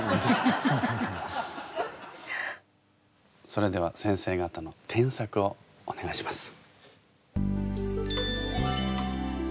それでは先生方の添削をお願いします。